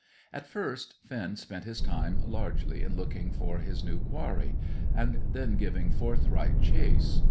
At first, Finn spent his time largely in looking for his new quarry, and then giving forthright chase.